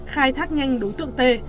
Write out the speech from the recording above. khai thác nhanh đối tượng tê